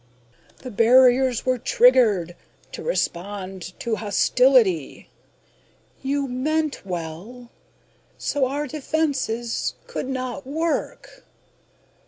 "The barriers were triggered ... to respond to hostility.... You meant well ... so our defenses ... could not work."